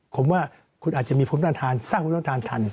ผมว่าคุณอาจจะมีพรุ่งต้นทานสร้างพรุ่งต้นทานทัน